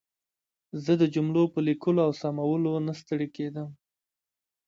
زه د جملو په لیکلو او سمولو نه ستړې کېدم.